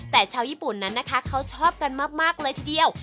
แต่ชาวญี่ปุ่นนั้นนะคะเขาชอบกันมากเลยทีเดียว